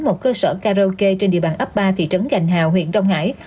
một cơ sở karaoke trên địa bàn ấp ba thị trấn gành hào huyện đông hải